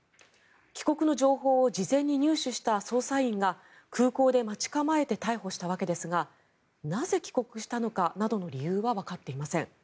帰国の情報を事前に入手した捜査員が空港で待ち構えて逮捕したわけですがなぜ帰国したのかなどの理由はわかっていません。